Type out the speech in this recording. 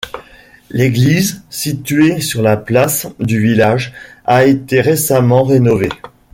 L'église, située sur la place du village, a été récemment rénovée.